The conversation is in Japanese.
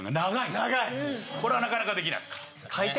これはなかなかできないですから。